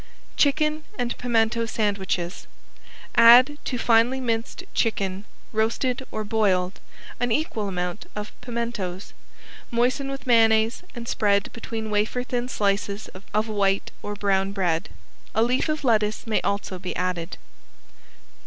~CHICKEN AND PIMENTO SANDWICHES~ Add to finely minced chicken, roasted or boiled, an equal amount of pimentos. Moisten with mayonnaise and spread between wafer thin slices of white or brown bread. A leaf of lettuce may also be added.